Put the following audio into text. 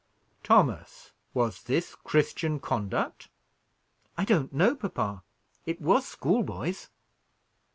"Thomas, was this Christian conduct?" "I don't know, papa. It was schoolboy's."